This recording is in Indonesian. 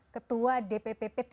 ketua dppp tiga